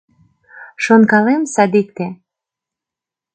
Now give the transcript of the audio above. Шонкалем, садикте